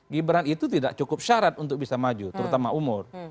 gibran itu tidak cukup syarat untuk bisa maju terutama umur